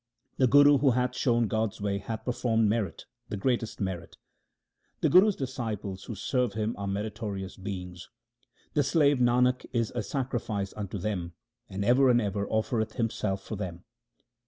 The Guru who hath shown God's way hath performed merit, the greatest merit. The Guru's disciples who serve him are meritorious beings : The slave Nanak is a sacrifice unto them, and ever and ever offereth himself for them.